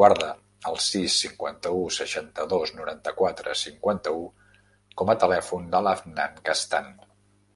Guarda el sis, cinquanta-u, seixanta-dos, noranta-quatre, cinquanta-u com a telèfon de l'Afnan Castan.